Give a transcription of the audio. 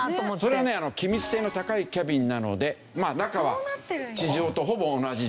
それはね気密性の高いキャビンなので中は地上とほぼ同じ状態ですよね。